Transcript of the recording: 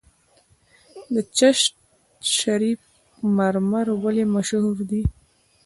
د چشت شریف مرمر ولې مشهور دي؟